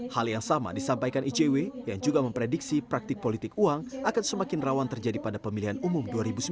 hal yang sama disampaikan icw yang juga memprediksi praktik politik uang akan semakin rawan terjadi pada pemilihan umum dua ribu sembilan belas